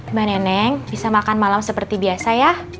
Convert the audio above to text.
mbak neneng bisa makan malam seperti biasa ya